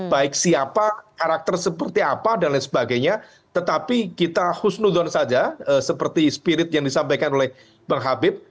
baik siapa karakter seperti apa dan lain sebagainya tetapi kita husnudon saja seperti spirit yang disampaikan oleh bang habib